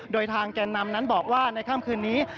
โดยทางแก่นำนั้นบอกว่าในค่ำคืนนี้